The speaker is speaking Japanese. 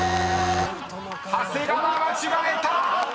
［長谷川間違えた！］